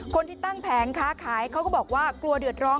คนที่ตั้งแผงค้าขายเขาก็บอกว่ากลัวเดือดร้อน